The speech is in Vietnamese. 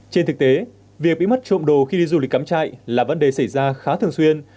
trên thực tế việc bị mất trộm đồ khi đi du lịch cắm chạy là vấn đề xảy ra khá thường xuyên